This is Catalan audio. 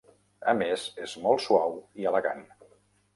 A més, és molt suau i elegant.